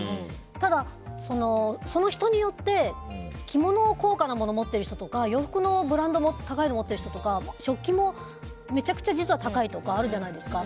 ただ、その人によって着物、高価なものを持ってる人とか洋服のブランドも高いものを持っている人とか食器もめちゃくちゃ実は高いとかあるじゃないですか。